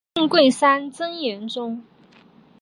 信贵山真言宗。